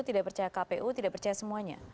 tidak percaya kpu tidak percaya semuanya